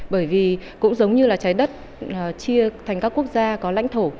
bởi vì cũng giống như là trái đất chia thành các quốc gia có lãnh thổ